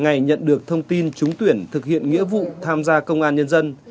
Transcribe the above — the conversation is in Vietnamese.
ngày nhận được thông tin trúng tuyển thực hiện nghĩa vụ tham gia công an nhân dân